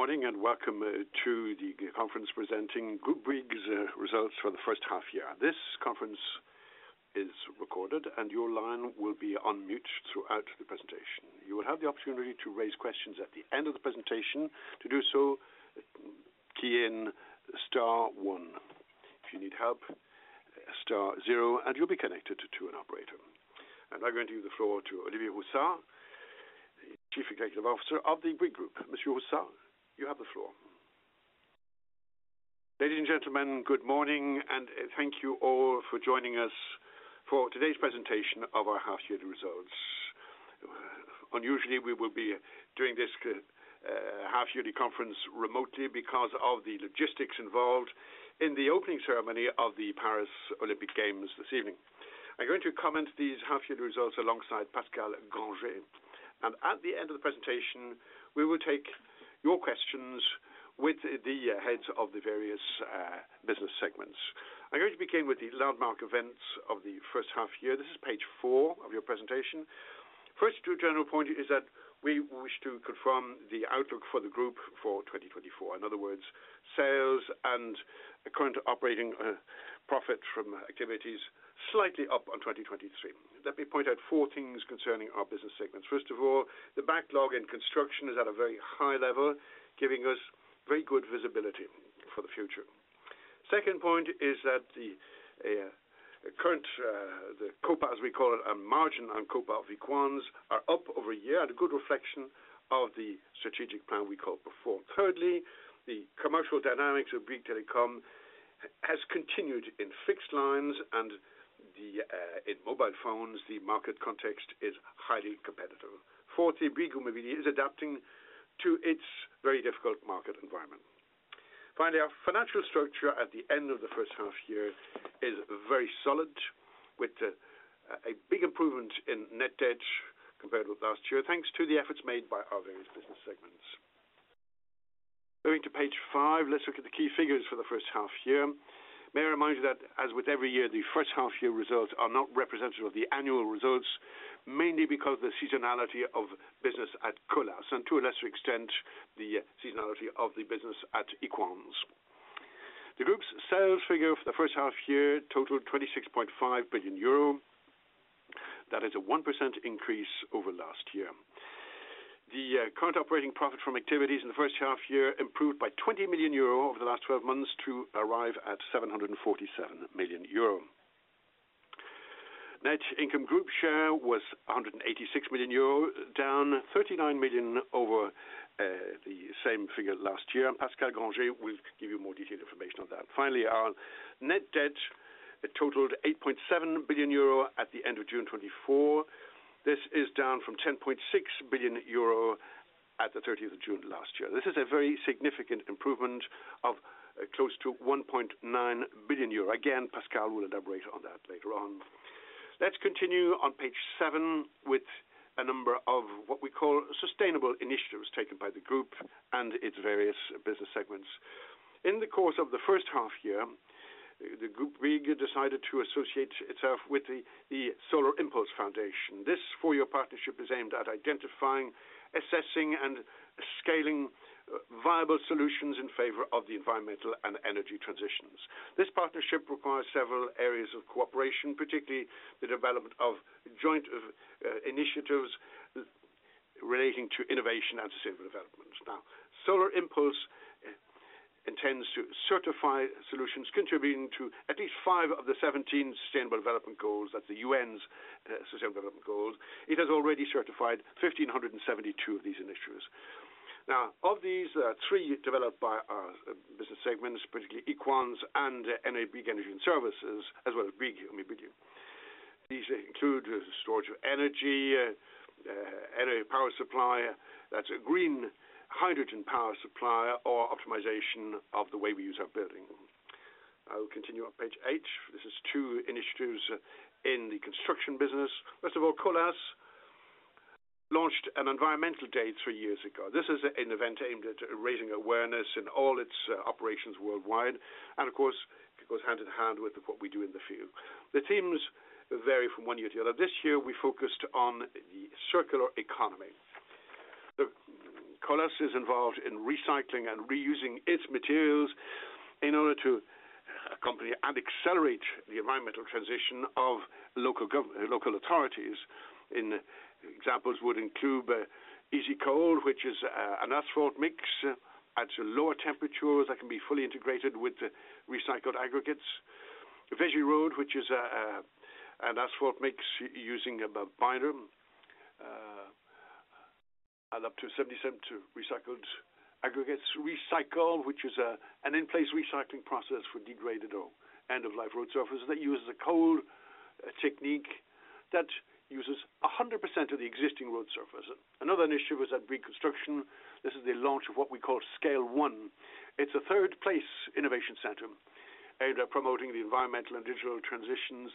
Good morning, and welcome, to the conference presenting Bouygues' results for the first half year. This conference is recorded, and your line will be on mute throughout the presentation. You will have the opportunity to raise questions at the end of the presentation. To do so, key in star one. If you need help, star zero, and you'll be connected to an operator. And I'm going to give the floor to Olivier Roussat, the Chief Executive Officer of the Bouygues Group. Monsieur Roussat, you have the floor. Ladies and gentlemen, good morning, and thank you all for joining us for today's presentation of our half-year results. Unusually, we will be doing this half-yearly conference remotely because of the logistics involved in the opening ceremony of the Paris Olympic Games this evening. I'm going to comment these half-year results alongside Pascal Grangé. At the end of the presentation, we will take your questions with the heads of the various business segments. I'm going to begin with the landmark events of the first half year. This is page 4 of your presentation. First, two general point is that we wish to confirm the outlook for the group for 2024. In other words, sales and current operating profit from activities slightly up on 2023. Let me point out four things concerning our business segments. First of all, the backlog in construction is at a very high level, giving us very good visibility for the future. Second point is that the current the COPA, as we call it, a margin on COPA Equans, are up over a year at a good reflection of the strategic plan we called before. Thirdly, the commercial dynamics of Bouygues Telecom has continued in fixed lines and in mobile phones, the market context is highly competitive. Fourth, the Bouygues Immobilier is adapting to its very difficult market environment. Finally, our financial structure at the end of the first half year is very solid, with a big improvement in net debt compared with last year, thanks to the efforts made by our various business segments. Going to page five, let's look at the key figures for the first half year. May I remind you that as with every year, the first half year results are not representative of the annual results, mainly because of the seasonality of business at Colas, and to a lesser extent, the seasonality of the business at Equans. The group's sales figure for the first half year totaled 26.5 billion euro. That is a 1% increase over last year. The current operating profit from activities in the first half year improved by 20 million euro over the last twelve months to arrive at 747 million euro. Net income group share was 186 million euro, down 39 million over the same figure last year. Pascal Grangé will give you more detailed information on that. Finally, our net debt totaled 8.7 billion euro at the end of June 2024. This is down from 10.6 billion euro at the thirtieth of June last year. This is a very significant improvement of close to 1.9 billion euro. Again, Pascal will elaborate on that later on. Let's continue on page seven with a number of what we call sustainable initiatives taken by the group and its various business segments. In the course of the first half-year, the Bouygues Group decided to associate itself with the Solar Impulse Foundation. This four-year partnership is aimed at identifying, assessing, and scaling viable solutions in favor of the environmental and energy transitions. This partnership requires several areas of cooperation, particularly the development of joint initiatives relating to innovation and sustainable development. Now, Solar Impulse intends to certify solutions contributing to at least five of the 17 Sustainable Development Goals at the UN's Sustainable Development Goals. It has already certified 1,572 of these initiatives. Now, of these, three developed by our business segments, particularly Equans and Bouygues Energies & Services, as well as Bouygues, I mean, Bouygues. These include storage of energy, energy power supply, that's a green hydrogen power supply, or optimization of the way we use our building. I will continue on page eight. This is 2 initiatives in the construction business. First of all, Colas launched an environmental day three years ago. This is an event aimed at raising awareness in all its operations worldwide, and of course, it goes hand in hand with what we do in the field. The themes vary from one year to the other. This year, we focused on the circular economy. The Colas is involved in recycling and reusing its materials in order to accompany and accelerate the environmental transition of local authorities. Examples would include EasyCold, which is an asphalt mix at lower temperatures that can be fully integrated with recycled aggregates. Vegecol, which is an asphalt mix using a binder and up to 77% recycled aggregates. Recycol, which is an in-place recycling process for degraded or end-of-life road surfaces that uses a cold technique that uses 100% of the existing road surface. Another initiative is at Bouygues Construction. This is the launch of what we call Scale One. It's a third-place innovation center, aimed at promoting the environmental and digital transitions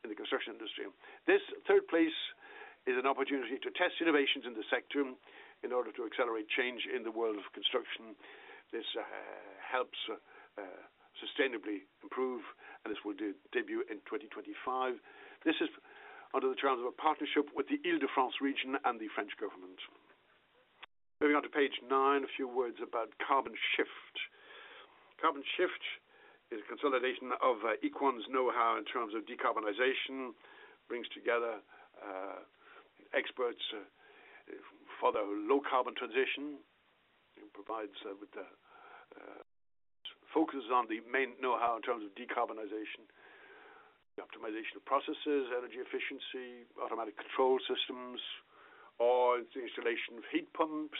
in the construction industry. This third place is an opportunity to test innovations in the sector in order to accelerate change in the world of construction. This helps sustainably improve, and this will debut in 2025. This is under the terms of a partnership with the Île-de-France region and the French government. Moving on to page nine, a few words about Carbon Shift. Carbon Shift is a consolidation of Equans' know-how in terms of decarbonization, brings together experts for the low carbon transition, and provides with the focus on the main know-how in terms of decarbonization, the optimization of processes, energy efficiency, automatic control systems, or the installation of heat pumps,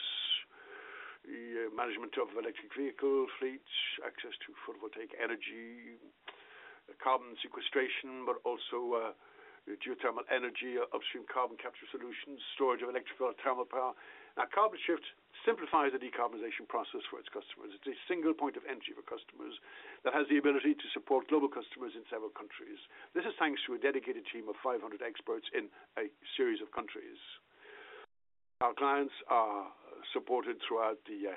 the management of electric vehicle fleets, access to photovoltaic energy, carbon sequestration, but also geothermal energy, upstream carbon capture solutions, storage of electrical and thermal power. Now, Carbon Shift simplifies the decarbonization process for its customers. It's a single point of entry for customers that has the ability to support global customers in several countries. This is thanks to a dedicated team of 500 experts in a series of countries. Our clients are supported throughout the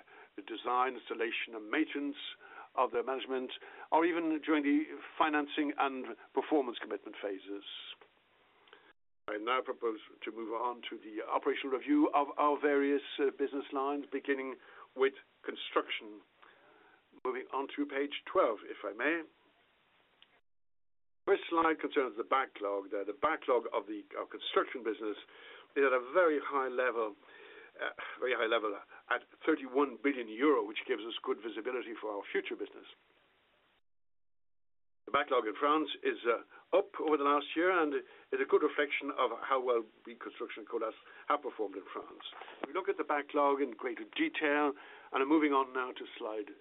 design, installation, and maintenance of their management, or even during the financing and performance commitment phases. I now propose to move on to the operational review of our various business lines, beginning with construction. Moving on to page 12, if I may. First slide concerns the backlog. The backlog of our construction business is at a very high level, very high level at 31 billion euro, which gives us good visibility for our future business. The backlog in France is up over the last year, and it is a good reflection of how well Bouygues Construction and Colas have performed in France. If you look at the backlog in greater detail, and I'm moving on now to slide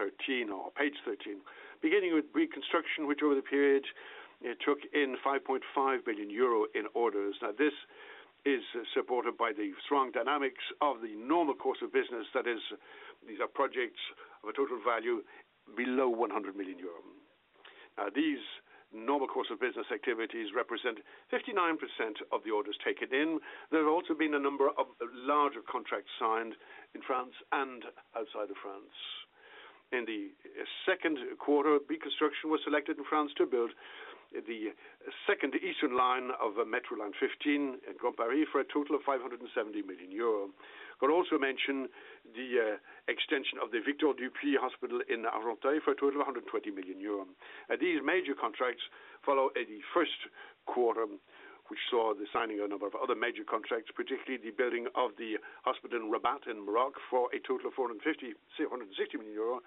13 or page 13. Beginning with Construction, which over the period, it took in 5.5 billion euro in orders. Now, this is supported by the strong dynamics of the normal course of business. That is, these are projects of a total value below 100 million euro. Now, these normal course of business activities represent 59% of the orders taken in. There have also been a number of larger contracts signed in France and outside of France. In the second quarter, Bouygues Construction was selected in France to build the second eastern line of Metro Line 15 in Grand Paris, for a total of 570 million euro. But also mention the extension of the Victor Dupouy Hospital in Argenteuil, for a total of 120 million euros. These major contracts follow in the first quarter, which saw the signing of a number of other major contracts, particularly the building of the hospital in Rabat, in Morocco, for a total of 450-460 million euro,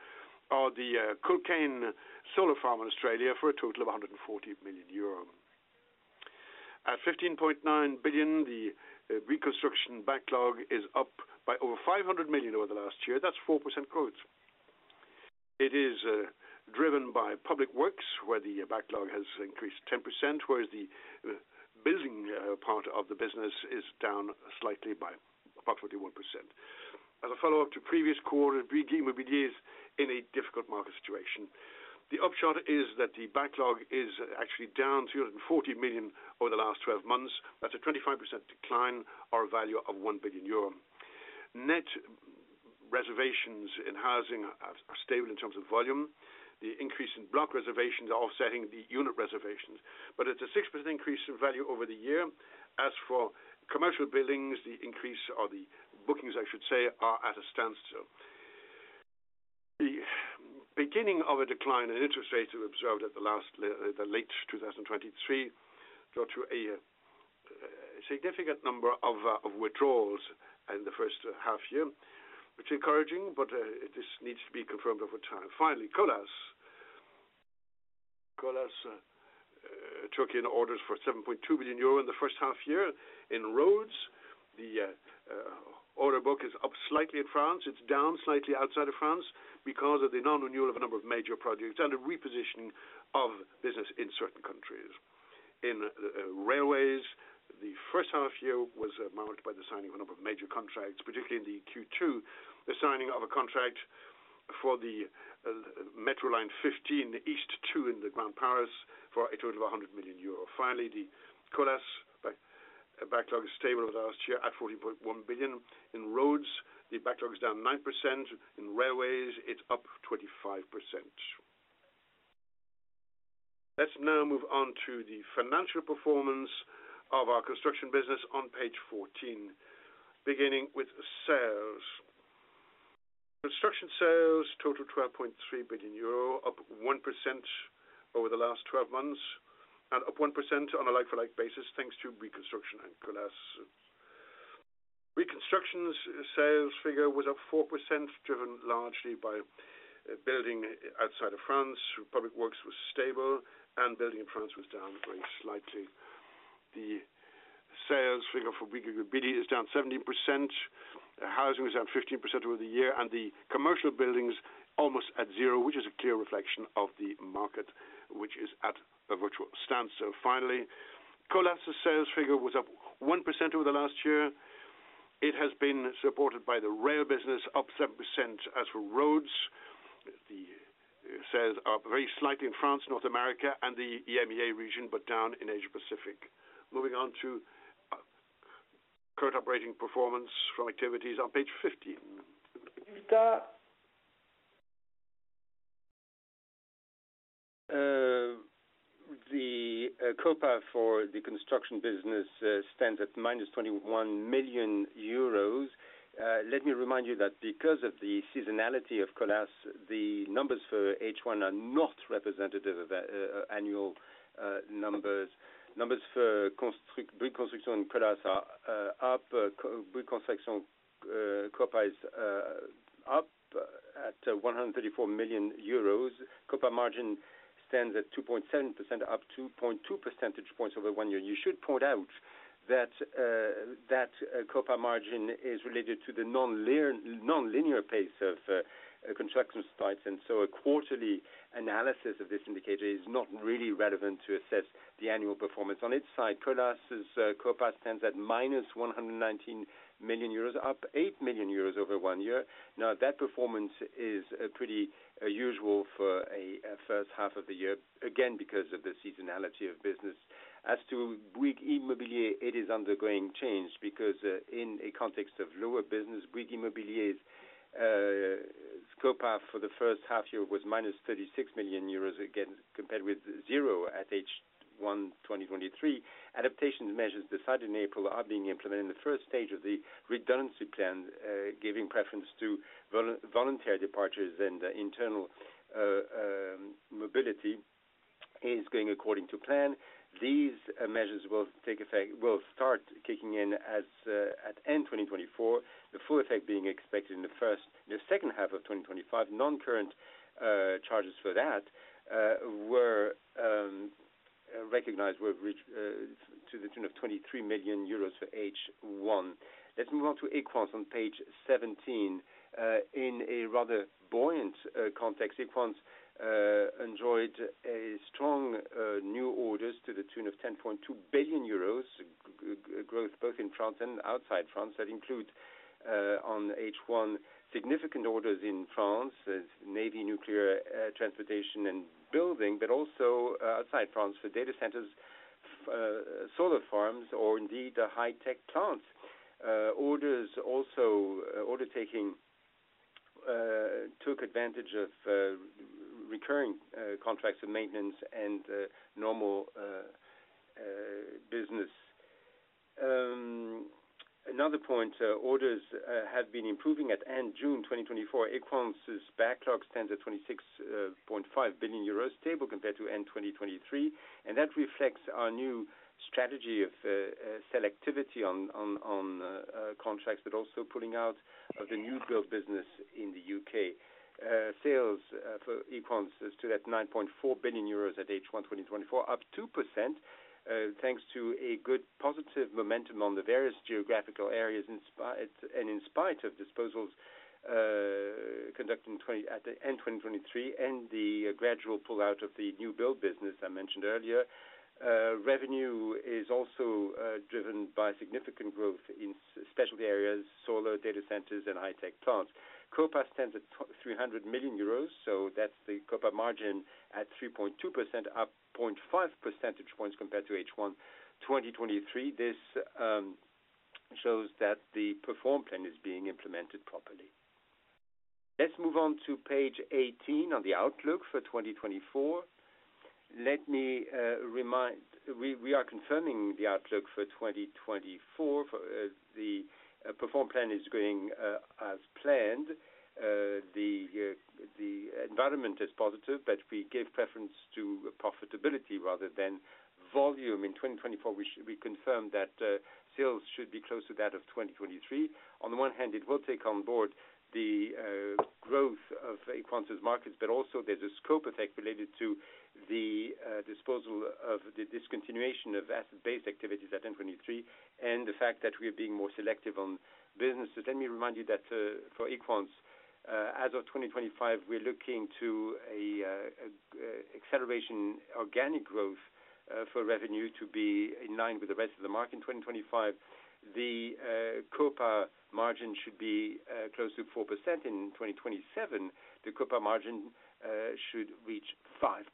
or the Culcairn Solar Farm in Australia for a total of 140 million euro. At 15.9 billion, the reconstruction backlog is up by over 500 million over the last year. That's 4% growth. It is driven by public works, where the backlog has increased 10%, whereas the building part of the business is down slightly by about 41%. As a follow-up to previous quarter, Bouygues Immobilier is in a difficult market situation. The upshot is that the backlog is actually down 240 million over the last twelve months. That's a 25% decline or a value of 1 billion euro. Net reservations in housing are stable in terms of volume. The increase in block reservations are offsetting the unit reservations, but it's a 6% increase in value over the year. As for commercial buildings, the increase or the bookings, I should say, are at a standstill. The beginning of a decline in interest rates we observed at the last, the late 2023, got to a significant number of withdrawals in the first half year, which is encouraging, but this needs to be confirmed over time. Finally, Colas. Colas took in orders for 7.2 billion euro in the first half year in roads. The order book is up slightly in France. It's down slightly outside of France because of the non-renewal of a number of major projects and a repositioning of business in certain countries. In railways, the first half year was marked by the signing of a number of major contracts, particularly in the Q2, the signing of a contract for the metro Line 15, the East two in the Grand Paris, for a total of 100 million euro. Finally, the Colas backlog is stable last year at 40.1 billion. In roads, the backlog is down 9%. In railways, it's up 25%. Let's now move on to the financial performance of our construction business on page 14, beginning with sales. Construction sales total 12.3 billion euro, up 1% over the last twelve months and up 1% on a like-for-like basis, thanks to reconstruction and Colas. Construction's sales figure was up 4%, driven largely by building outside of France. Public Works was stable, and building in France was down very slightly. The sales figure for Bouygues Immobilier is down 17%. Housing is down 15% over the year, and the commercial buildings almost at zero, which is a clear reflection of the market, which is at a virtual standstill. Finally, Colas' sales figure was up 1% over the last year. It has been supported by the rail business, up 7%. As for roads, the sales are very slightly in France, North America, and the EMEA region, but down in Asia Pacific. Moving on to current operating performance from activities on page 15. ... The COPA for the construction business stands at -21 million euros. Let me remind you that because of the seasonality of Colas, the numbers for H1 are not representative of annual numbers. Numbers for construct-- reconstruction on Colas are up. Reconstruction COPA is up at 134 million euros. COPA margin stands at 2.7%, up 2.2 percentage points over one year. You should point out that that COPA margin is related to the non-linear, non-linear pace of construction sites, and so a quarterly analysis of this indicator is not really relevant to assess the annual performance. On its side, Colas' COPA stands at -119 million euros, up 8 million euros over one year. Now, that performance is pretty usual for a first half of the year, again, because of the seasonality of business. As to Bouygues Immobilier, it is undergoing change because in a context of lower business, Bouygues Immobilier's COPA for the first half year was minus 36 million euros, again, compared with zero at H1 2023. Adaptation measures decided in April are being implemented in the first stage of the redundancy plan, giving preference to voluntary departures and internal mobility, is going according to plan. These measures will start kicking in as at end 2024, the full effect being expected in the second half of 2025. Non-current charges for that were recognized to the tune of 23 million euros for H1. Let's move on to Equans on page 17. In a rather buoyant context, Equans enjoyed a strong new orders to the tune of 10.2 billion euros, growth both in France and outside France. That includes, on H1, significant orders in France, as navy, nuclear, transportation, and building, but also, outside France, for data centers, solar farms, or indeed, the high tech plants. Orders also, order taking, took advantage of, recurring contracts of maintenance and, normal business. Another point, orders have been improving. At end June 2024, Equans' backlog stands at 26.5 billion euros, stable compared to end 2023, and that reflects our new strategy of, selectivity on contracts, but also pulling out of the new build business in the UK. Sales for Equans is still at 9.4 billion euros at H1 2024, up 2%, thanks to a good, positive momentum on the various geographical areas, and in spite of disposals conducted at the end of 2023, and the gradual pullout of the new build business I mentioned earlier. Revenue is also driven by significant growth in specialty areas, solar, data centers, and high tech plants. COPA stands at 300 million euros, so that's the COPA margin at 3.2%, up 0.5 percentage points compared to H1 2023. This shows that the Perform plan is being implemented properly. Let's move on to page 18 on the outlook for 2024. Let me remind. We are confirming the outlook for 2024. For the Perform plan is going as planned. The environment is positive, but we give preference to profitability rather than volume. In 2024, we confirm that sales should be close to that of 2023. On the one hand, it will take on board the growth of Equans' markets, but also there's a scope effect related to the disposal of the discontinuation of asset-based activities at 2023, and the fact that we are being more selective on businesses. Let me remind you that for Equans, as of 2025, we're looking to a acceleration organic growth for revenue to be in line with the rest of the market in 2025. The COPA margin should be close to 4%. In 2027, the COPA margin should reach 5%.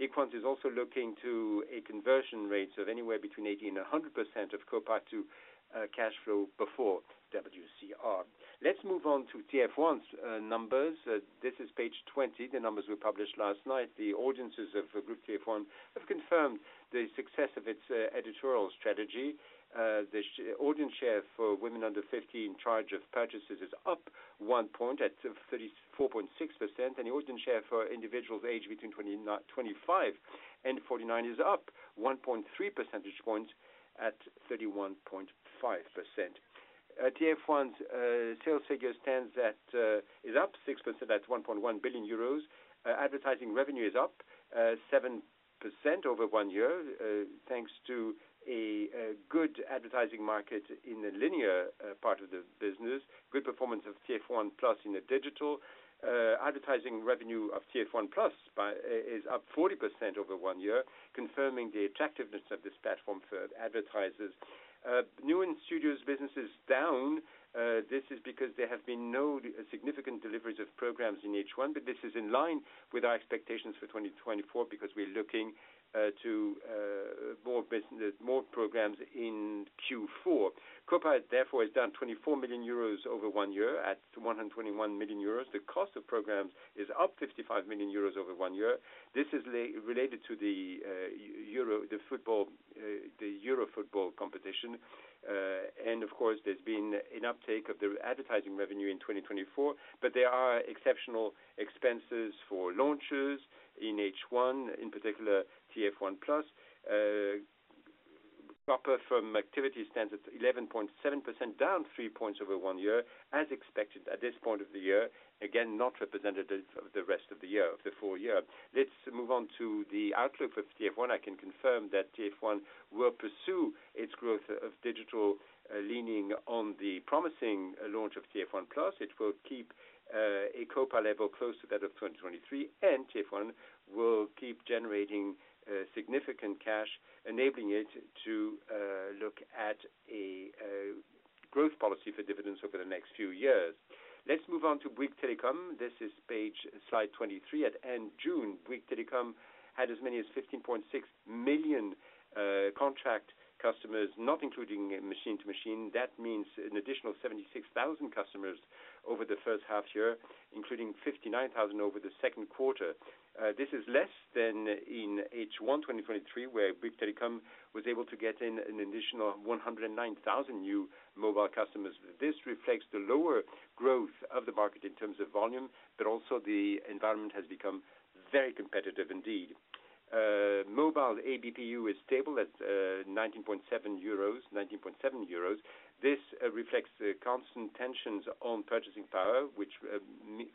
Equans is also looking to a conversion rate of anywhere between 80%-100% of COPA to cash flow before WCR. Let's move on to TF1's numbers. This is page 20. The numbers were published last night. The audiences of Group TF1 have confirmed the success of its editorial strategy. The audience share for women under fifty in charge of purchases is up one point, at 34.6%, and the audience share for individuals aged between twenty-five and forty-nine is up 1.3 percentage points, at 31.5%. TF1's sales figure stands at is up 6%, that's 1.1 billion euros. Advertising revenue is up 7% year-over-year, thanks to a good advertising market in the linear part of the business, good performance of TF1+ in the digital. Advertising revenue of TF1+ is up 40% year-over-year, confirming the attractiveness of this platform for advertisers. News and Studios business is down. This is because there have been no significant deliveries of programs in H1, but this is in line with our expectations for 2024 because we're looking to more business, more programs in Q4. COPA, therefore, is down 24 million euros year-over-year at 121 million euros. The cost of programs is up 55 million euros year-over-year. This is related to the Euro, the football, the Euro football competition. And of course, there's been an uptake of the advertising revenue in 2024, but there are exceptional expenses for launches in H1, in particular, TF1+. COPA from activity stands at 11.7%, down 3 points over one year, as expected at this point of the year. Again, not representative of the rest of the year, of the full year. Let's move on to the outlook for TF1. I can confirm that TF1 will pursue its growth of digital, leaning on the promising launch of TF1+. It will keep a COPA level close to that of 2023, and TF1 will keep generating significant cash, enabling it to look at a growth policy for dividends over the next few years. Let's move on to Bouygues Telecom. This is page, slide 23. At end June, Bouygues Telecom had as many as 15.6 million contract customers, not including machine-to-machine. That means an additional 76,000 customers over the first half year, including 59,000 over the second quarter. This is less than in H1, 2023, where Bouygues Telecom was able to get in an additional 109,000 new mobile customers. This reflects the lower growth of the market in terms of volume, but also the environment has become very competitive indeed. Mobile ABPU is stable at 19.7 euros, 19.7 euros. This reflects the constant tensions on purchasing power, which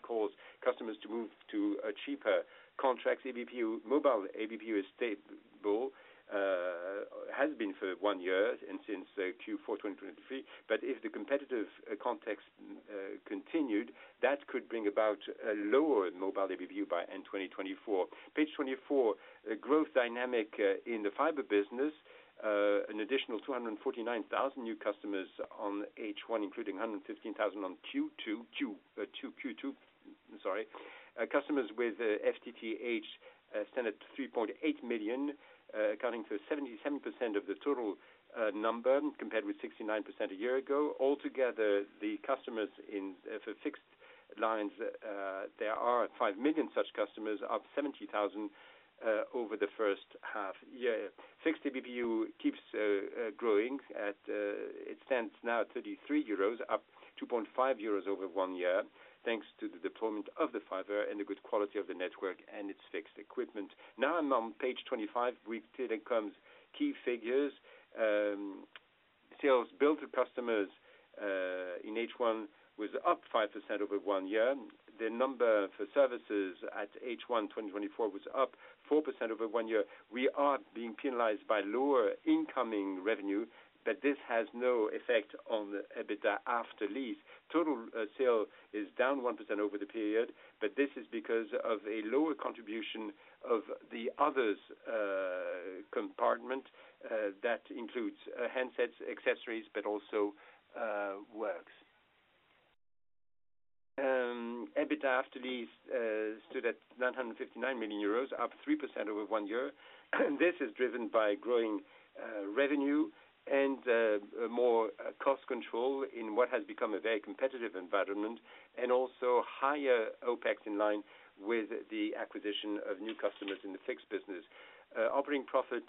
cause customers to move to a cheaper contract. ABPU, mobile ABPU is stable, has been for one year and since Q4 2023. But if the competitive context continued, that could bring about a lower mobile ABPU by end 2024. Page 24, a growth dynamic in the fiber business, an additional 249,000 new customers on H1, including 115,000 on Q2, sorry. Customers with FTTH stand at 3.8 million, accounting for 77% of the total number, compared with 69% a year ago. Altogether, the customers in for fixed lines, there are 5 million such customers, up 70,000 over the first half year. Fixed ABPU keeps growing at, it stands now at 33 euros, up 2.5 euros over one year, thanks to the deployment of the fiber and the good quality of the network and its fixed equipment. Now I'm on page 25, Bouygues Telecom's key figures. Sales billed to customers in H1 was up 5% over one year. The number for services at H1 2024 was up 4% over one year. We are being penalized by lower incoming revenue, but this has no effect on the EBITDA after lease. Total sale is down 1% over the period, but this is because of a lower contribution of the others compartment that includes handsets, accessories, but also works. EBITDA after lease stood at 959 million euros, up 3% over one year. This is driven by growing revenue and more cost control in what has become a very competitive environment, and also higher OPEX in line with the acquisition of new customers in the fixed business. Operating profit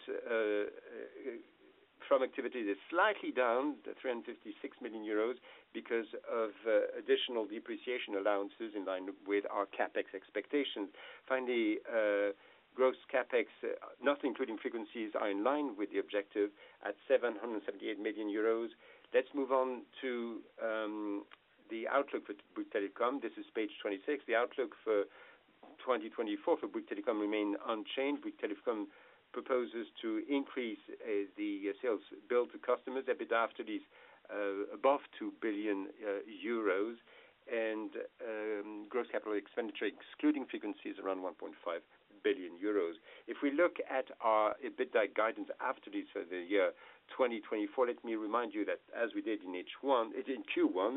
from activity is slightly down to 356 million euros because of additional depreciation allowances in line with our CapEx expectations. Finally, gross CapEx, not including frequencies, are in line with the objective at 778 million euros. Let's move on to the outlook for Bouygues Telecom. This is page 26. The outlook for 2024 for Bouygues Telecom remain unchanged. Bouygues Telecom proposes to increase the sales billed to customers. EBITDA after leases above 2 billion euros, and gross capital expenditure, excluding frequencies, around 1.5 billion euros. If we look at our EBITDA guidance after leases for the year 2024, let me remind you that as we did in H1 in Q1,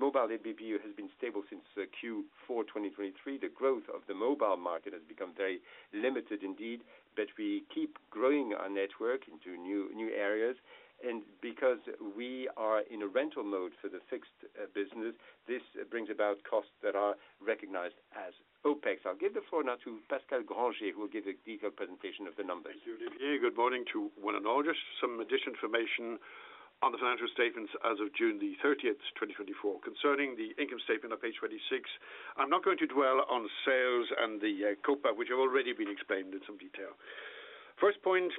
mobile ABPU has been stable since Q4 2023. The growth of the mobile market has become very limited indeed, but we keep growing our network into new, new areas. And because we are in a rental mode for the fixed business, this brings about costs that are recognized as OPEX. I'll give the floor now to Pascal Grangé, who will give a deeper presentation of the numbers. Thank you, Olivier. Good morning to one and all. Just some additional information on the financial statements as of June 30, 2024. Concerning the income statement on page 26, I'm not going to dwell on sales and the, COPA, which have already been explained in some detail. First point,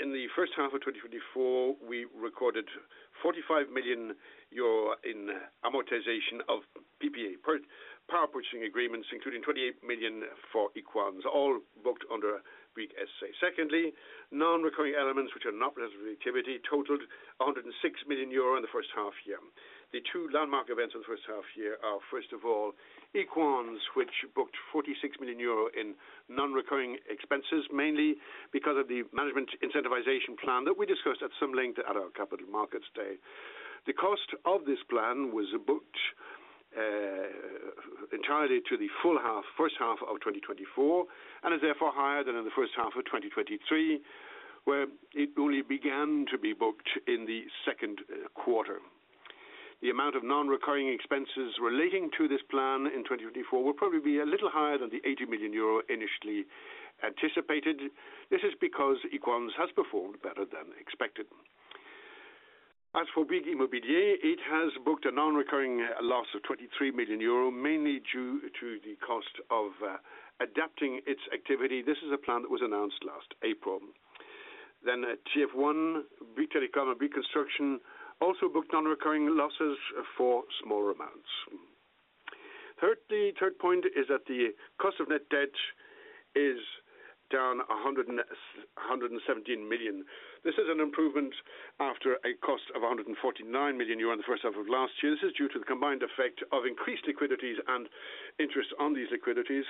in the first half of 2024, we recorded 45 million euro in amortization of PPA, power purchase agreements, including 28 million for Equans, all booked under Bouygues SA. Secondly, non-recurring elements, which are not less of activity, totaled 106 million euro in the first half year.... The two landmark events of the first half year are, first of all, Equans, which booked 46 million euro in non-recurring expenses, mainly because of the management incentivization plan that we discussed at some length at our capital markets day. The cost of this plan was booked entirely to the full half, first half of 2024, and is therefore higher than in the first half of 2023, where it only began to be booked in the second quarter. The amount of non-recurring expenses relating to this plan in 2024 will probably be a little higher than the 80 million euro initially anticipated. This is because Equans has performed better than expected. As for Bouygues Immobilier, it has booked a non-recurring loss of EUR 23 million, mainly due to the cost of adapting its activity. This is a plan that was announced last April. Then at TF1, Bouygues Telecom and Bouygues Construction also booked non-recurring losses for small amounts. Thirdly, third point is that the cost of net debt is down 117 million. This is an improvement after a cost of 149 million euro in the first half of last year. This is due to the combined effect of increased liquidities and interest on these liquidities,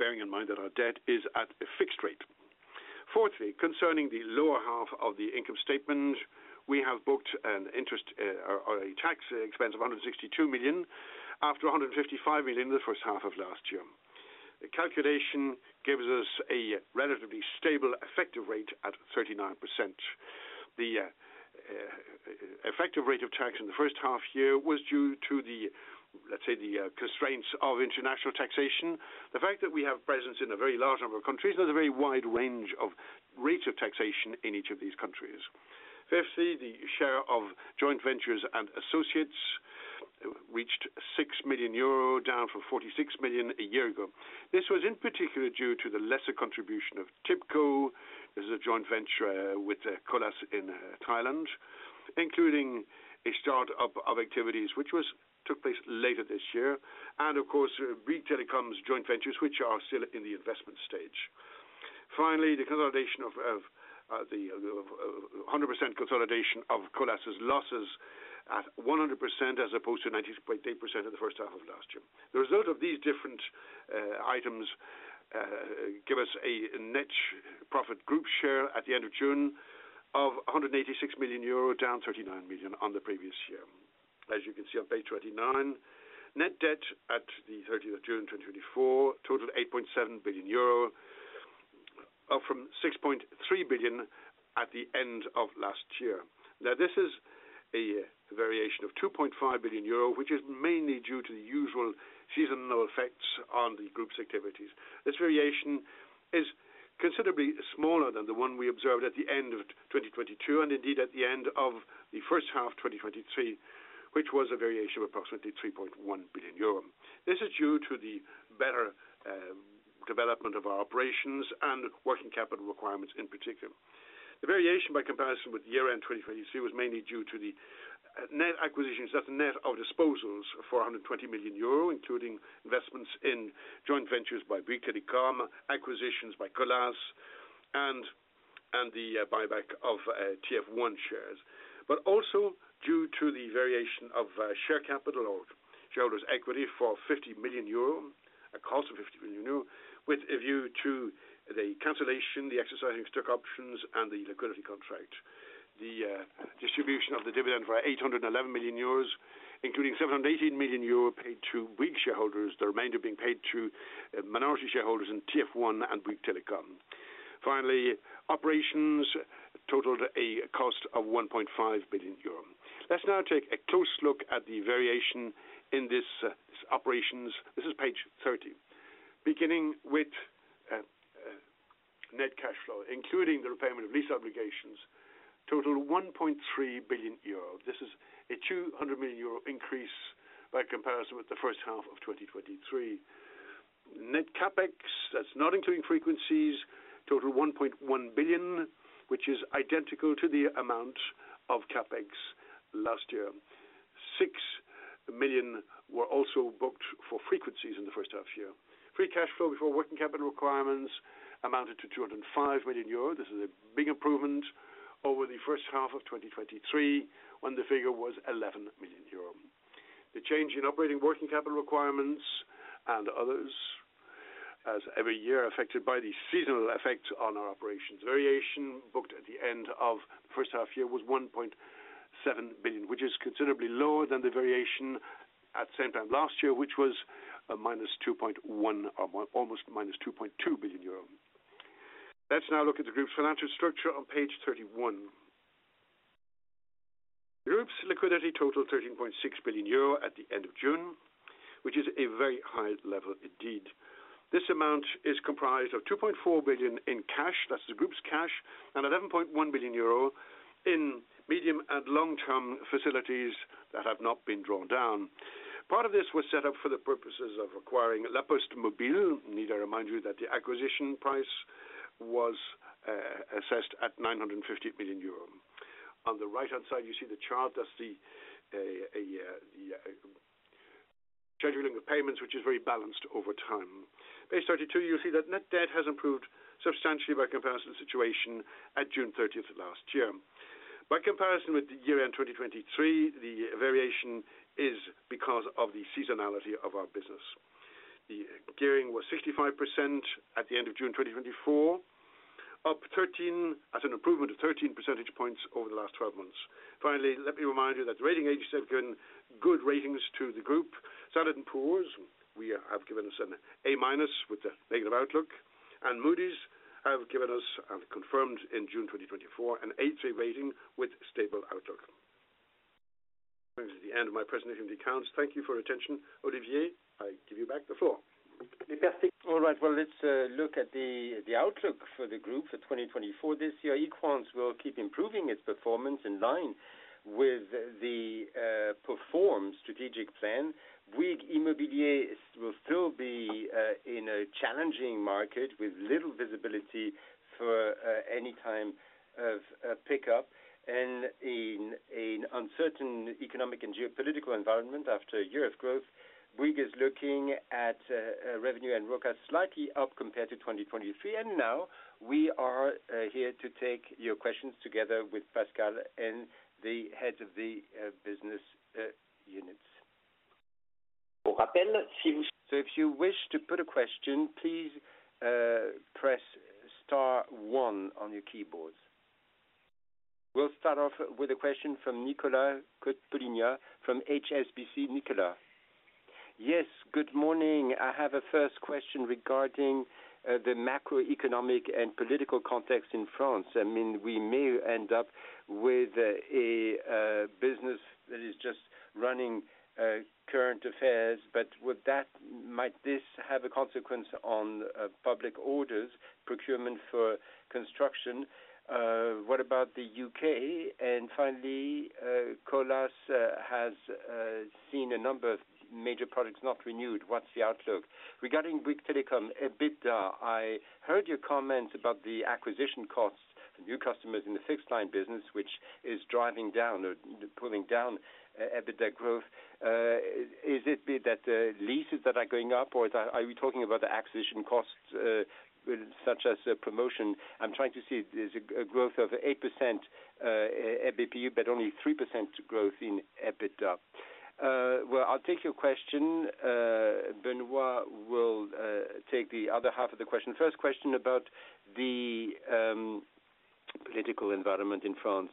bearing in mind that our debt is at a fixed rate. Fourthly, concerning the lower half of the income statement, we have booked an interest, or a tax expense of 162 million, after 155 million in the first half of last year. The calculation gives us a relatively stable effective rate at 39%. The effective rate of tax in the first half year was due to the, let's say, the constraints of international taxation. The fact that we have presence in a very large number of countries, there's a very wide range of rates of taxation in each of these countries. Fifthly, the share of joint ventures and associates reached 6 million euro, down from 46 million a year ago. This was in particular due to the lesser contribution of Tipco. This is a joint venture with Colas in Thailand, including a start up of activities, which was took place later this year, and of course, Bouygues Telecom's joint ventures, which are still in the investment stage. Finally, the consolidation of the hundred percent consolidation of Colas' losses at 100%, as opposed to 98% in the first half of last year. The result of these different items give us a net profit group share at the end of June, of 186 million euro, down 39 million on the previous year. As you can see on page 29, net debt at the 13th of June 2024 totaled 8.7 billion euro, up from 6.3 billion at the end of last year. Now, this is a variation of 2.5 billion euro, which is mainly due to the usual seasonal effects on the group's activities. This variation is considerably smaller than the one we observed at the end of 2022, and indeed, at the end of the first half of 2023, which was a variation of approximately 3.1 billion euro. This is due to the better development of our operations and working capital requirements, in particular. The variation by comparison with year-end 2022, was mainly due to the net acquisitions, that's net of disposals, for 120 million euro, including investments in joint ventures by Bouygues Telecom, acquisitions by Colas, and the buyback of TF1 shares. But also due to the variation of share capital or shareholders' equity for 50 million euro, a cost of 50 million euro, with a view to the cancellation, the exercising of stock options, and the liquidity contract. The distribution of the dividend for 811 million euros, including 718 million euro paid to Bouygues shareholders, the remainder being paid to minority shareholders in TF1 and Bouygues Telecom. Finally, operations totaled a cost of 1.5 billion euro. Let's now take a close look at the variation in this operations. This is page 13. Beginning with, net cash flow, including the repayment of lease obligations, totaled 1.3 billion euro. This is a 200 million euro increase by comparison with the first half of 2023. Net CapEx, that's not including frequencies, totaled 1.1 billion, which is identical to the amount of CapEx last year. 6 million were also booked for frequencies in the first half year. Free cash flow before working capital requirements amounted to 205 million euros. This is a big improvement over the first half of 2023, when the figure was 11 million euros. The change in operating working capital requirements and others, as every year, affected by the seasonal effect on our operations variation, booked at the end of the first half year, was 1.7 billion, which is considerably lower than the variation at the same time last year, which was a -2.1, or almost -2.2 billion euro. Let's now look at the group's financial structure on page 31. Group's liquidity totaled 13.6 billion euro at the end of June, which is a very high level indeed. This amount is comprised of 2.4 billion in cash, that's the group's cash, and 11.1 billion euro in medium and long-term facilities that have not been drawn down. Part of this was set up for the purposes of acquiring La Poste Mobile. Need I remind you that the acquisition price was assessed at 950 million euro. On the right-hand side, you see the chart, that's the scheduling of payments, which is very balanced over time. Page 32, you'll see that net debt has improved substantially by comparison situation at June 30 last year. By comparison with the year-end 2023, the variation is because of the seasonality of our business. The gearing was 65% at the end of June 2024, up 13, as an improvement of 13 percentage points over the last 12 months. Finally, let me remind you that the rating agencies have given good ratings to the group. Standard & Poor's, we have given us an A- with a negative outlook, and Moody's have given us, and confirmed in June 2024, an A3 rating with stable outlook. This is the end of my presentation on the accounts. Thank you for your attention. Olivier, I give you back the floor. All right, well, let's look at the outlook for the group for 2024. This year, Equans will keep improving its performance in line with the Perform strategic plan. Bouygues Immobilier will still be in a challenging market with little visibility for any time of pickup and in an uncertain economic and geopolitical environment. After a year of growth, Bouygues is looking at revenue and ROACE slightly up compared to 2023. Now we are here to take your questions together with Pascal and the heads of the business units. So if you wish to put a question, please press star one on your keyboard. We'll start off with a question from Nicolas Cote-Colisson from HSBC. Nicolas? Yes, good morning. I have a first question regarding the macroeconomic and political context in France. I mean, we may end up with a business that is just running current affairs, but would that—might this have a consequence on public orders, procurement for construction? What about the UK? And finally, Colas has seen a number of major products not renewed. What's the outlook? Regarding Bouygues Telecom, EBITDA, I heard your comment about the acquisition costs for new customers in the fixed line business, which is driving down or pulling down EBITDA growth. Is it be that leases that are going up, or are you talking about the acquisition costs such as a promotion? I'm trying to see, there's a growth of 8% ABPU, but only 3% growth in EBITDA. Well, I'll take your question. Benoît will take the other half of the question. First question about the political environment in France,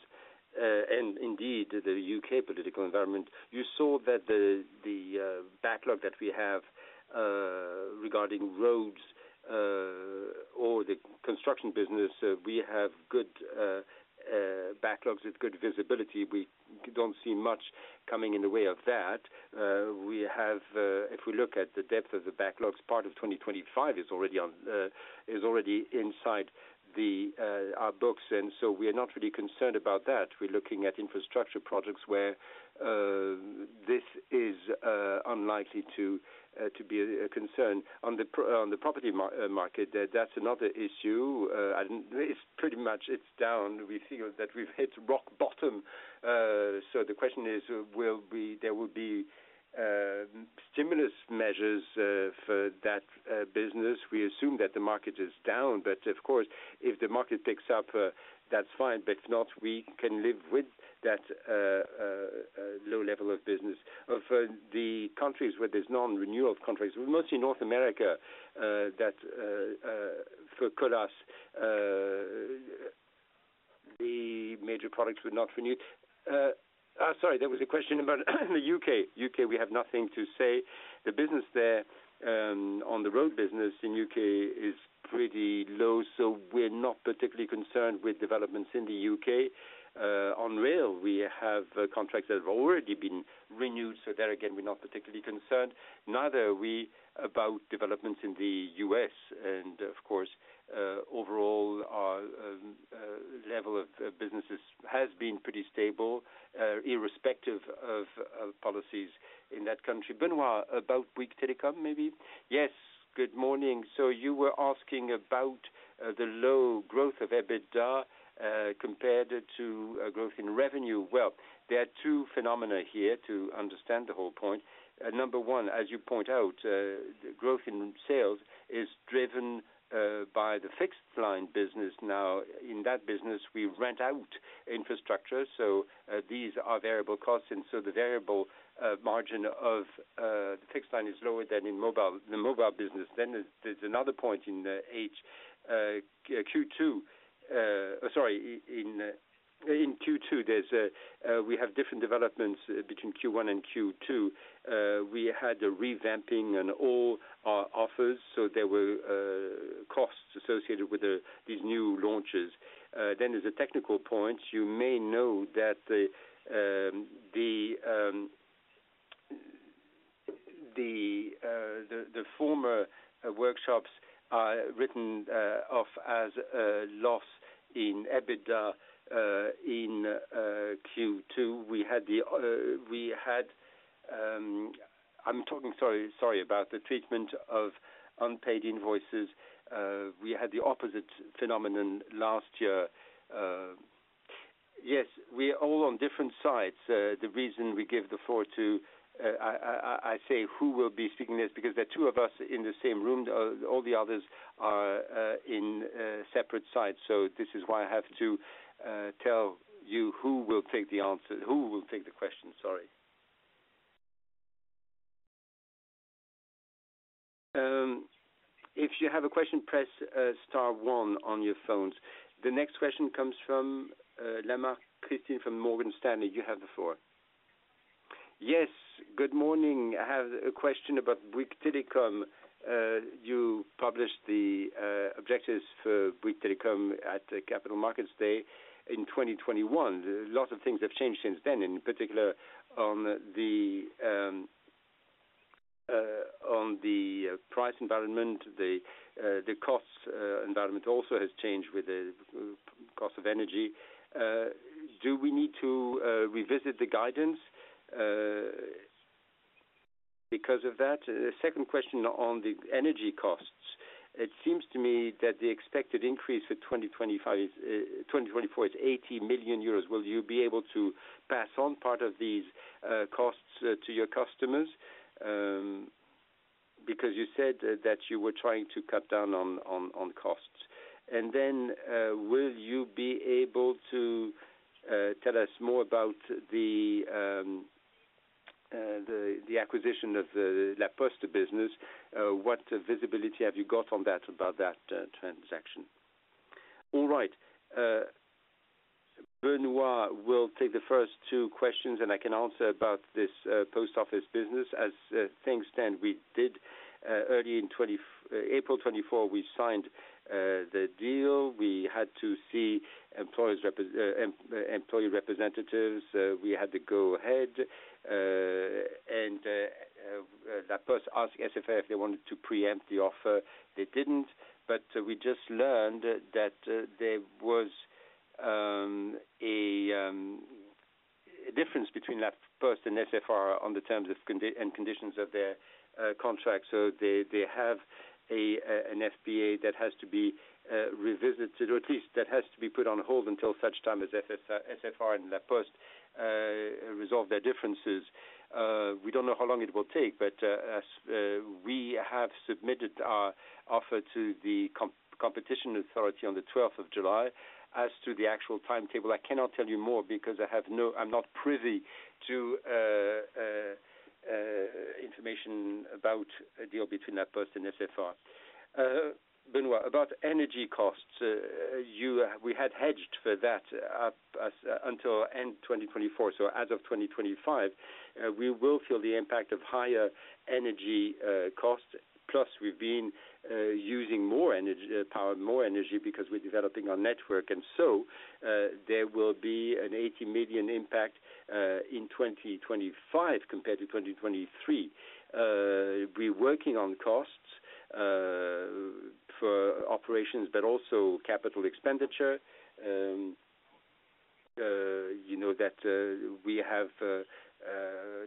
and indeed, the U.K. political environment. You saw that the backlog that we have regarding roads or the construction business, we have good backlogs with good visibility. We don't see much coming in the way of that. We have, if we look at the depth of the backlogs, part of 2025 is already on, is already inside our books, and so we are not really concerned about that. We're looking at infrastructure projects where this is unlikely to be a concern. On the property market, that's another issue. And it's pretty much, it's down. We feel that we've hit rock bottom. So the question is, will we—there will be stimulus measures for that business. We assume that the market is down, but of course, if the market picks up, that's fine, but if not, we can live with that low level of business. For the countries where there's non-renewal of contracts, mostly North America, that for Colas, the major projects were not renewed. Sorry, there was a question about the U.K. U.K., we have nothing to say. The business there, on the road business in U.K. is pretty low, so we're not particularly concerned with developments in the U.K. On rail, we have contracts that have already been renewed, so there again, we're not particularly concerned. Neither are we about developments in the U.S., and of course, overall, our level of businesses has been pretty stable, irrespective of policies in that country. Benoît, about Bouygues Telecom, maybe? Yes, good morning. So you were asking about the low growth of EBITDA, compared to growth in revenue. Well, there are two phenomena here to understand the whole point. Number one, as you point out, the growth in sales is driven by the fixed line business. Now, in that business, we rent out infrastructure, so these are variable costs, and so the variable margin of the fixed line is lower than in mobile, the mobile business. Then there's another point in Q2. Sorry, in Q2, there's a we have different developments between Q1 and Q2. We had a revamping on all our offers, so there were costs associated with these new launches. Then there's a technical point. You may know that the former workshops are written off as a loss in EBITDA in Q2. I'm talking, sorry, sorry, about the treatment of unpaid invoices. We had the opposite phenomenon last year. Yes, we are all on different sides. The reason we give the floor to, I say who will be speaking this, because there are two of us in the same room, all the others are in separate sides. So this is why I have to tell you who will take the answer - who will take the question, sorry. If you have a question, press star one on your phones. The next question comes from Nawar Cristini from Morgan Stanley. You have the floor. Yes, good morning. I have a question about Bouygues Telecom. You published the objectives for Bouygues Telecom at the Capital Markets Day in 2021. A lot of things have changed since then, in particular on the price environment, the cost environment also has changed with the cost of energy. Do we need to revisit the guidance because of that? The second question on the energy costs: It seems to me that the expected increase for 2025, 2024 is 80 million euros. Will you be able to pass on part of these costs to your customers? Because you said that you were trying to cut down on costs. And then, will you be able to tell us more about the acquisition of the La Poste business? What visibility have you got on that, about that transaction? All right. Benoît will take the first two questions, and I can answer about this post office business. As things stand, we did early in April 2024, we signed the deal. We had to see employee representatives. We had to go ahead, and La Poste asked SFR if they wanted to preempt the offer. They didn't, but we just learned that there was a difference between La Poste and SFR on the terms and conditions of their contract. So they have an SHA that has to be revisited, or at least that has to be put on hold until such time as SFR and La Poste resolve their differences. We don't know how long it will take, but we have submitted our offer to the competition authority on the twelfth of July. As to the actual timetable, I cannot tell you more because I'm not privy to information about a deal between La Poste and SFR. Benoît, about energy costs, we had hedged for that up until end 2024. So as of 2025, we will feel the impact of higher energy costs. Plus, we've been using more energy, power, more energy because we're developing our network. And so, there will be an 80 million impact in 2025 compared to 2023. We're working on costs for operations, but also capital expenditure. You know that we have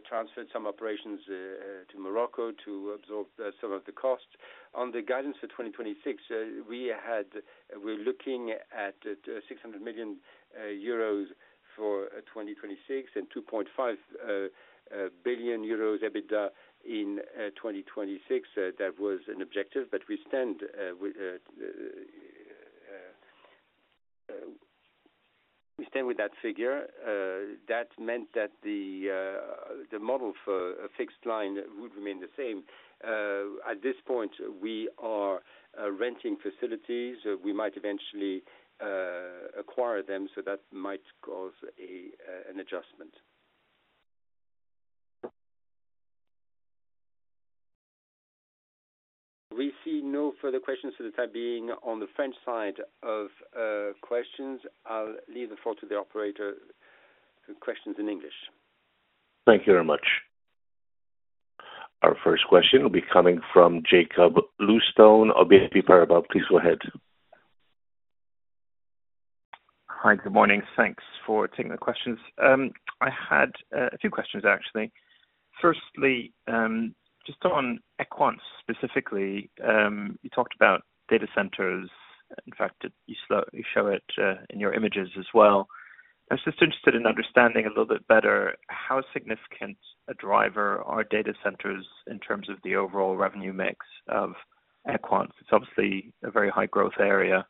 transferred some operations to Morocco to absorb some of the costs. On the guidance for 2026, we had... We're looking at 600 million euros for 2026 and 2.5 billion euros EBITDA in 2026. That was an objective, but we stand with that figure. That meant that the model for a fixed line would remain the same. At this point, we are renting facilities. We might eventually acquire them, so that might cause an adjustment. We see no further questions for the time being on the French side of questions. I'll leave the floor to the operator for questions in English. Thank you very much. Our first question will be coming from Jakob Bluestone of BNP Paribas. Please go ahead. Hi, good morning. Thanks for taking the questions. I had a few questions, actually. Firstly, just on Equans specifically, you talked about data centers. In fact, you show it in your images as well. I was just interested in understanding a little bit better how significant a driver are data centers in terms of the overall revenue mix of Equans? It's obviously a very high-growth area,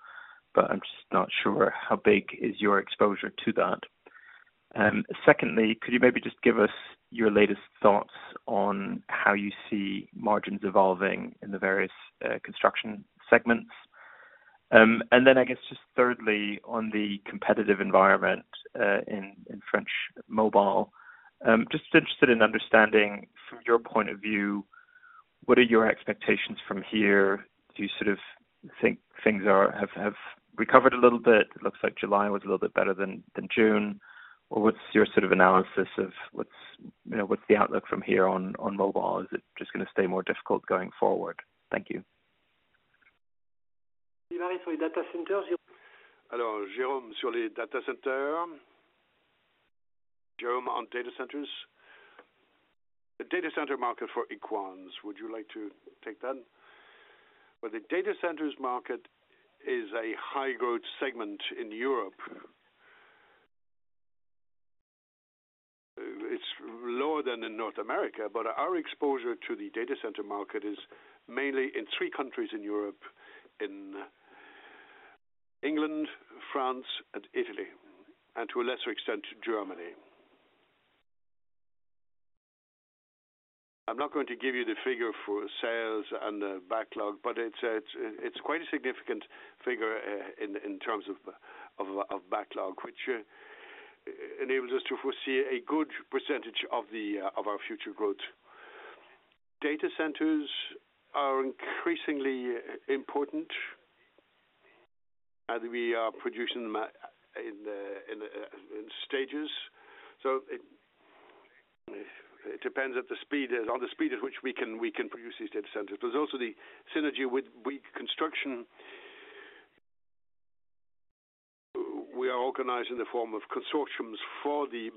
but I'm just not sure how big is your exposure to that. Secondly, could you maybe just give us your latest thoughts on how you see margins evolving in the various construction segments? And then I guess, just thirdly, on the competitive environment in French mobile, just interested in understanding, from your point of view, what are your expectations from here? Do you sort of think things are, have recovered a little bit? It looks like July was a little bit better than June, or what's your sort of analysis of what's, you know, what's the outlook from here on, on mobile? Is it just gonna stay more difficult going forward? Thank you. For the data centers. Hello, Jérôme. Surely data center. Jérôme, on data centers. The data center market for Equans, would you like to take that? Well, the data centers market is a high growth segment in Europe. It's lower than in North America, but our exposure to the data center market is mainly in three countries in Europe, in England, France, and Italy, and to a lesser extent, Germany. I'm not going to give you the figure for sales and the backlog, but it's quite a significant figure in terms of backlog, which enables us to foresee a good percentage of our future growth. Data centers are increasingly important, and we are producing them in stages. So it depends on the speed at which we can produce these data centers. There's also the synergy with reconstruction. We are organized in the form of consortiums for the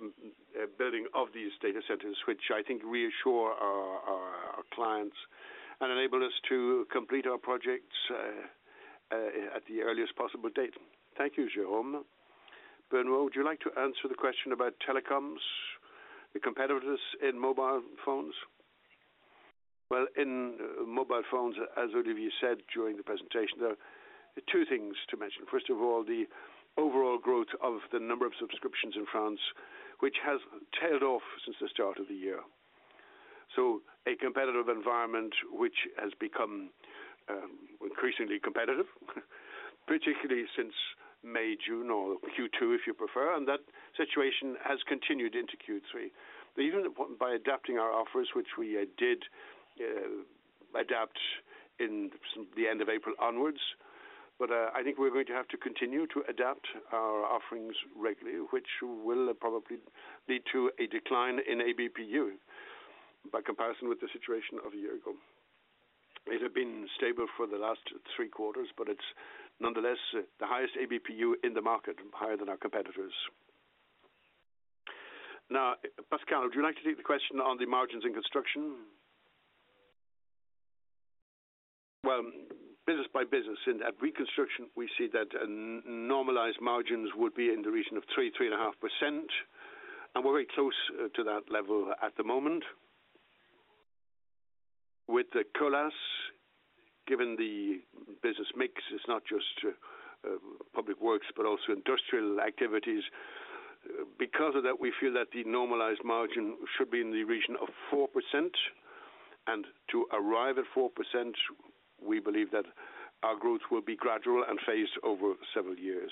building of these data centers, which I think reassure our clients and enable us to complete our projects at the earliest possible date. Thank you, Jérôme. BenoÎt, would you like to answer the question about telecoms, the competitiveness in mobile phones? Well, in mobile phones, as Olivier said during the presentation, there are two things to mention. First of all, the overall growth of the number of subscriptions in France, which has tailed off since the start of the year. So a competitive environment, which has become increasingly competitive, particularly since May, June, or Q2, if you prefer, and that situation has continued into Q3. But even by adapting our offers, which we did, adapt in the end of April onwards, but, I think we're going to have to continue to adapt our offerings regularly, which will probably lead to a decline in ABPU by comparison with the situation of a year ago. It had been stable for the last three quarters, but it's nonetheless the highest ABPU in the market, higher than our competitors. Now, Pascal, would you like to take the question on the margins in construction? Well, business by business, in that reconstruction, we see that normalized margins would be in the region of 3%-3.5%, and we're very close to that level at the moment. With Colas, given the business mix, it's not just, public works, but also industrial activities. Because of that, we feel that the normalized margin should be in the region of 4%, and to arrive at 4%, we believe that our growth will be gradual and phased over several years.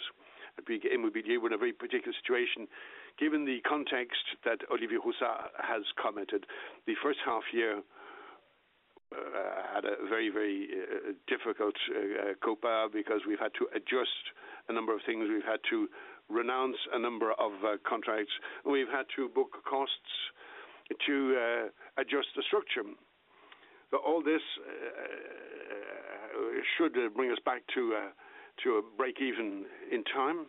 We begin with a very particular situation. Given the context that Olivier Roussat has commented, the first half year had a very, very difficult COPA because we've had to adjust a number of things. We've had to renounce a number of contracts. We've had to book costs to adjust the structure. But all this should bring us back to a, to a break even in time.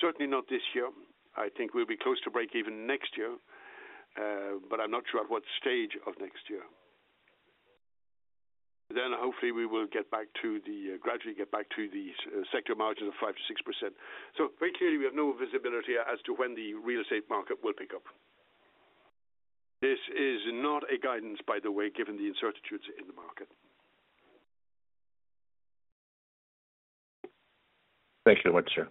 Certainly not this year. I think we'll be close to break even next year, but I'm not sure at what stage of next year. Then, hopefully, we will gradually get back to the sector margin of 5%-6%. So very clearly, we have no visibility as to when the real estate market will pick up. This is not a guidance, by the way, given the uncertainties in the market. Thank you very much, sir.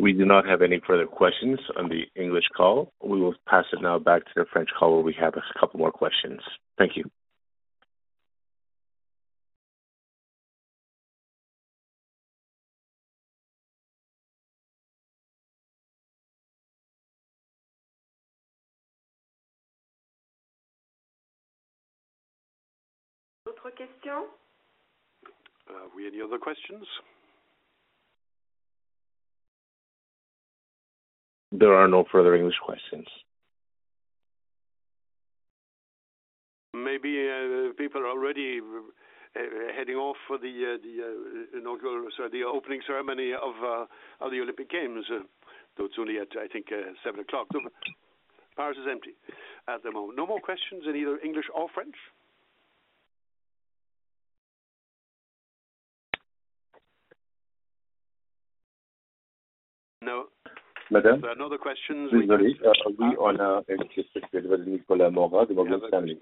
We do not have any further questions on the English call. We will pass it now back to the French call, where we have a couple more questions. Thank you. Other questions? We have any other questions? There are no further English questions. Maybe people are already heading off for the opening ceremony of the Olympic Games, though it's only at, I think, 7:00 P.M. Paris is empty at the moment. No more questions in either English or French? No, Madame. Another question. We only have Nicolas Mora from Morgan Stanley.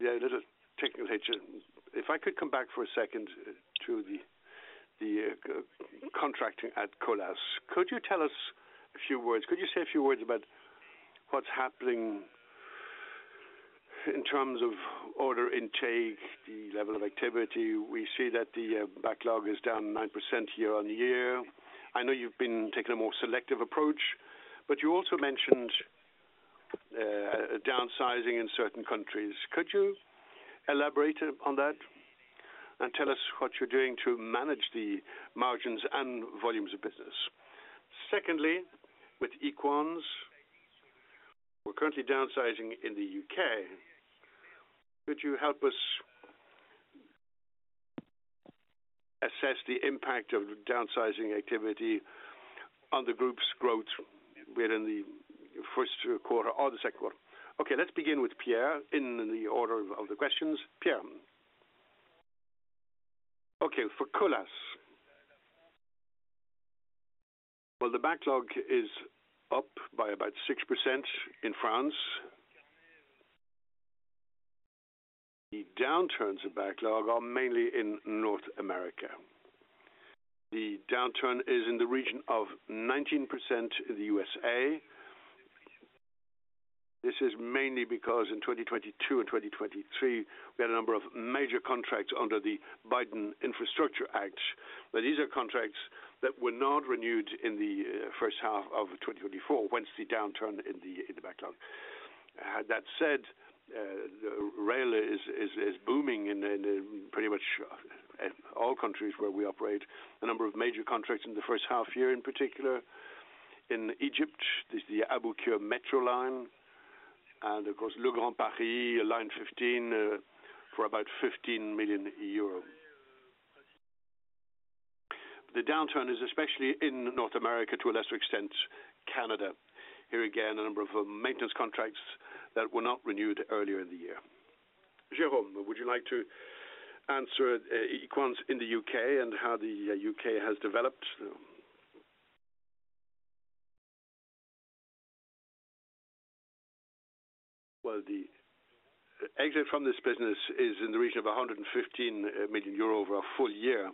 Yeah, a little technical issue. If I could come back for a second to the, the, contracting at Colas. Could you tell us a few words—Could you say a few words about what's happening in terms of order intake, the level of activity? We see that the, backlog is down 9% year-on-year. I know you've been taking a more selective approach, but you also mentioned, downsizing in certain countries. Could you elaborate on that and tell us what you're doing to manage the margins and volumes of business? Secondly, with Equans-... We're currently downsizing in the UK. Could you help us assess the impact of the downsizing activity on the group's growth within the first quarter or the second quarter? Okay, let's begin with Pierre, in the order of, the questions. Pierre. Okay, for Colas. Well, the backlog is up by about 6% in France. The downturns of backlog are mainly in North America. The downturn is in the region of 19% in the USA. This is mainly because in 2022 and 2023, we had a number of major contracts under the Biden Infrastructure Act, but these are contracts that were not renewed in the first half of 2024, whence the downturn in the backlog. That said, the rail is booming in pretty much all countries where we operate. A number of major contracts in the first half year, in particular, in Egypt, there's the Abu Qir metro line, and of course, Grand Paris, Line 15, for about EUR 15 million. The downturn is especially in North America, to a lesser extent, Canada. Here, again, a number of maintenance contracts that were not renewed earlier in the year. Jérôme, would you like to answer Equans in the UK and how the UK has developed? Well, the exit from this business is in the region of 115 million euro over a full year.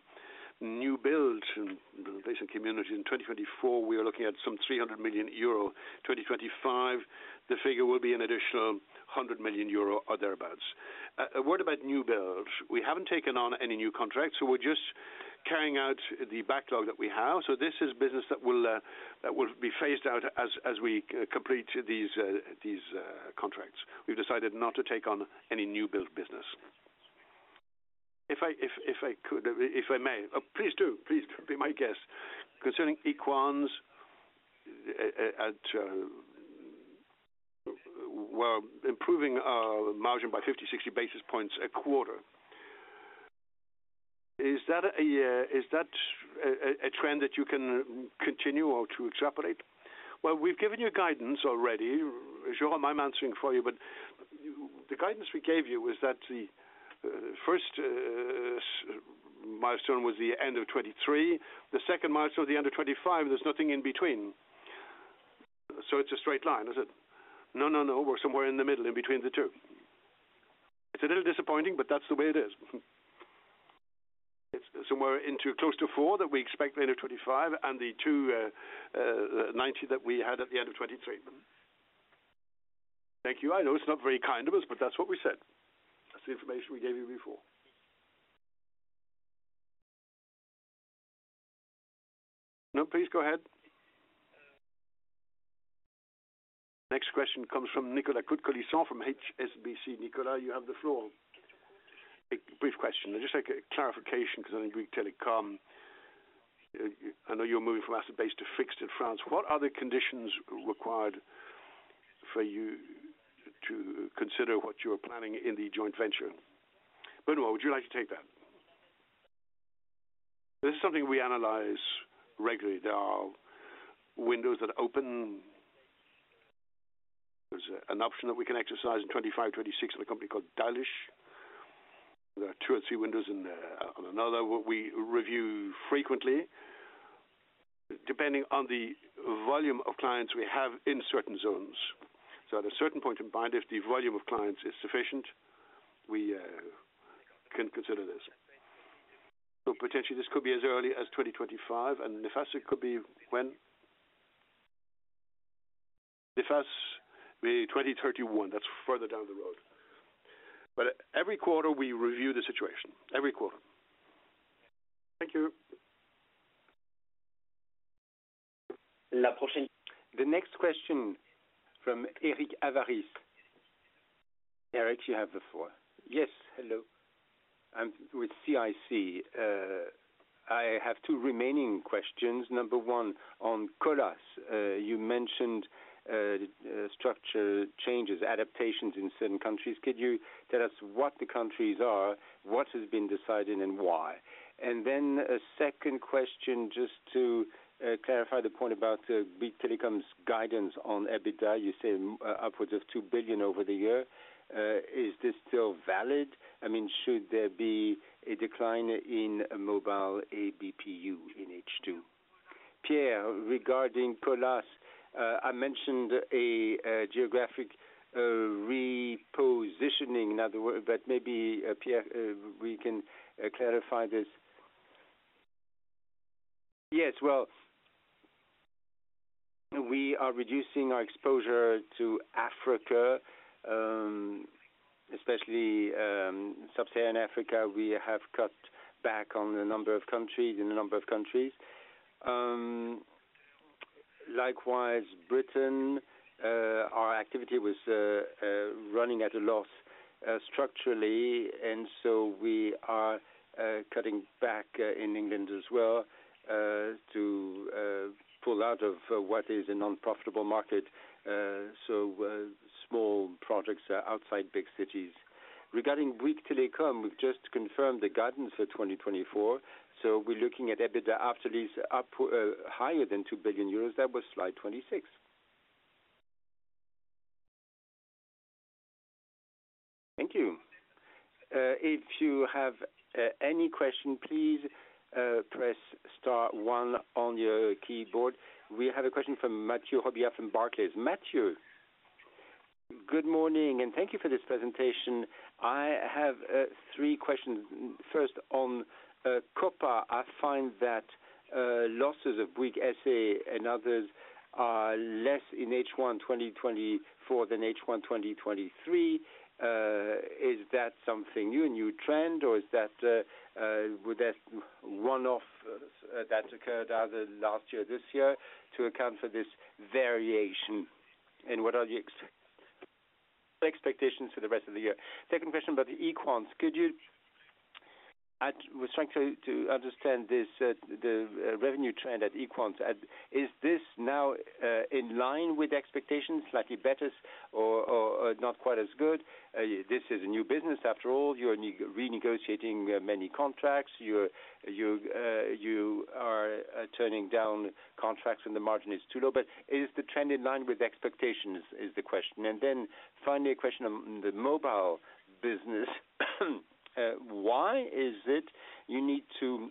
New builds in the recent activity in 2024, we are looking at some 300 million euro. 2025, the figure will be an additional 100 million euro or thereabouts. A word about new builds. We haven't taken on any new contracts, so we're just carrying out the backlog that we have. So this is business that will be phased out as we complete these contracts. We've decided not to take on any new build business. If I could, if I may? Oh, please do. Please, be my guest. Concerning Equans, we're improving our margin by 50, 60 basis points a quarter. Is that a trend that you can continue or to extrapolate? Well, we've given you guidance already. Jérôme, I'm answering for you, but the guidance we gave you was that the first milestone was the end of 2023, the second milestone, the end of 2025, there's nothing in between. So it's a straight line, is it? No, no, no, we're somewhere in the middle, in between the two. It's a little disappointing, but that's the way it is. It's somewhere into close to 4 that we expect the end of 2025 and the 2.90 that we had at the end of 2023. Thank you. I know it's not very kind of us, but that's what we said. That's the information we gave you before. No, please go ahead. Next question comes from Nicolas Cote-Colisson from HSBC. Nicolas, you have the floor. A brief question, just like a clarification, because I think Bouygues telecom. I know you're moving from asset base to fixed in France. What are the conditions required for you to consider what you are planning in the joint venture? Benoît, would you like to take that? This is something we analyze regularly. There are windows that open. There's an option that we can exercise in 2025, 2026 with a company called SDAIF. There are two or three windows in, on another, what we review frequently, depending on the volume of clients we have in certain zones. So at a certain point in time, if the volume of clients is sufficient, we can consider this. So potentially, this could be as early as 2025, and the faster it could be when? The first, be 2031, that's further down the road. But every quarter we review the situation. Every quarter. Thank you. The next question from Eric Lemarié. Eric, you have the floor. Yes, hello. I'm with CIC. I have two remaining questions. Number one, on Colas, you mentioned structure changes, adaptations in certain countries. Could you tell us what the countries are, what has been decided, and why? And then a second question, just to clarify the point about Bouygues Telecom's guidance on EBITDA. You said upwards of 2 billion over the year. Is this still valid? I mean, should there be a decline in mobile ABPU in H2? Pierre, regarding Colas, I mentioned a geographic repositioning, in other words, but maybe, Pierre, we can clarify this. Yes, well, we are reducing our exposure to Africa, especially sub-Saharan Africa. We have cut back on the number of countries, in a number of countries. Likewise, Britain, our activity was running at a loss. Structurally, and so we are cutting back in England as well to pull out of what is a non-profitable market. So small projects are outside big cities. Regarding Bouygues Telecom, we've just confirmed the guidance for 2024, so we're looking at EBITDA after leases up higher than 2 billion euros. That was slide 26. Thank you. If you have any question, please press star one on your keyboard. We have a question from Mathieu Robillard from Barclays. Mathieu? Good morning, and thank you for this presentation. I have three questions. First, on COPA, I find that losses of Bouygues SA and others are less in H1 2024 than H1 2023. Is that something new, a new trend, or were there one-off that occurred either last year or this year to account for this variation? And what are the expectations for the rest of the year? Second question about Equans: could you, we're trying to understand this, the revenue trend at Equans. Is this now in line with expectations, slightly better or not quite as good? This is a new business after all. You're renegotiating many contracts. You're turning down contracts when the margin is too low. But is the trend in line with expectations, is the question. Finally, a question on the mobile business. Why is it you need to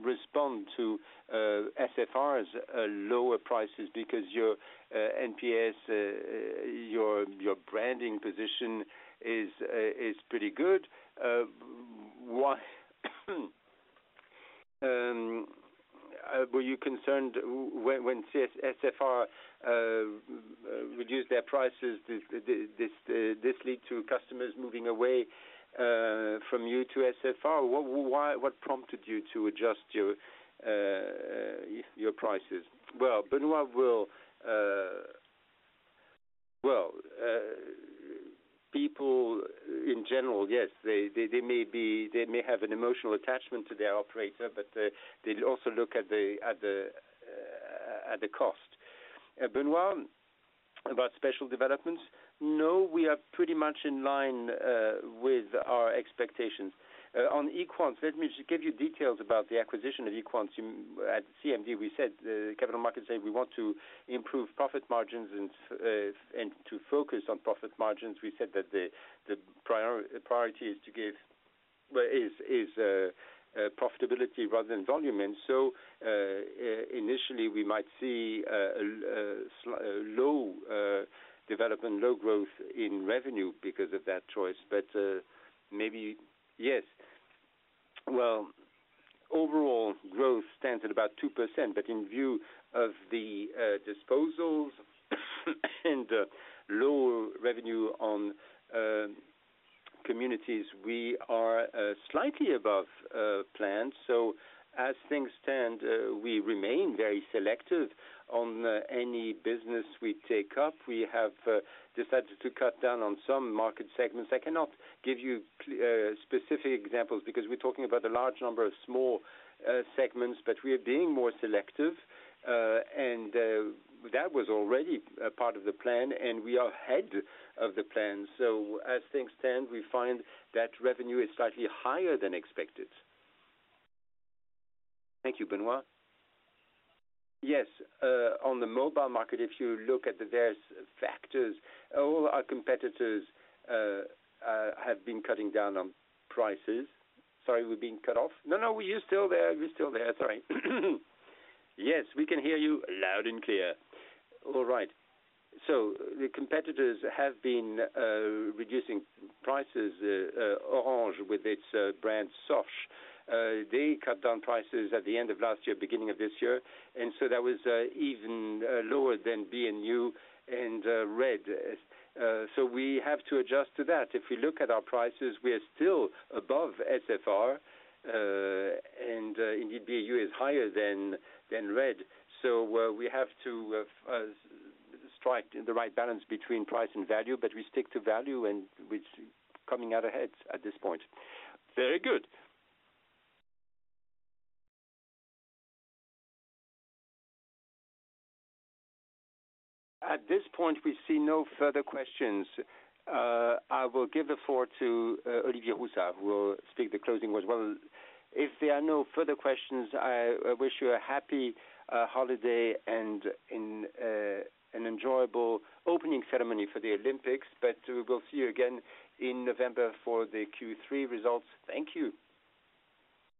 respond to SFR's lower prices? Because your NPS, your branding position is pretty good. Why were you concerned when SFR reduced their prices; this led to customers moving away from you to SFR? What prompted you to adjust your prices? Well, Benoît will... Well, people in general, yes, they, they may have an emotional attachment to their operator, but they'd also look at the cost. Benoît, about special developments? No, we are pretty much in line with our expectations. On Equans, let me just give you details about the acquisition of Equans. At CMD, we said, the capital markets said we want to improve profit margins and to focus on profit margins. We said that the priority is, well, profitability rather than volume. And so, initially, we might see low development, low growth in revenue because of that choice. But, maybe, yes. Well, overall growth stands at about 2%, but in view of the disposals and lower revenue on communities, we are slightly above plan. So as things stand, we remain very selective on any business we take up. We have decided to cut down on some market segments. I cannot give you specific examples because we're talking about a large number of small segments, but we are being more selective, and that was already a part of the plan, and we are ahead of the plan. So as things stand, we find that revenue is slightly higher than expected. Thank you, Benoît. Yes. On the mobile market, if you look at the various factors, all our competitors have been cutting down on prices. Sorry, we're being cut off. No, no, you're still there. You're still there. Sorry. Yes, we can hear you loud and clear. All right. So the competitors have been reducing prices, Orange, with its brand Sosh. They cut down prices at the end of last year, beginning of this year, and so that was even lower than B&YOU and RED. So we have to adjust to that. If we look at our prices, we are still above SFR, and indeed, B&YOU is higher than RED. So we have to strike the right balance between price and value, but we stick to value, and we're coming out ahead at this point. Very good. At this point, we see no further questions. I will give the floor to Olivier Roussat, who will speak the closing words. Well, if there are no further questions, I wish you a happy holiday and an enjoyable opening ceremony for the Olympics. But we'll see you again in November for the Q3 results. Thank you.